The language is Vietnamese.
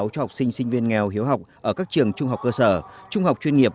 cho học sinh sinh viên nghèo hiếu học ở các trường trung học cơ sở trung học chuyên nghiệp